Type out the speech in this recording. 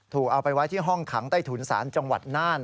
เอาไปไว้ที่ห้องขังใต้ถุนศาลจังหวัดน่าน